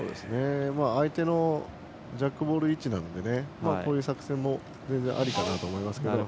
相手のジャックボール位置なのでこういう作戦も全然ありかなと思いますけど。